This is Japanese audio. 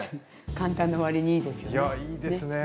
簡単な割にいいですよね。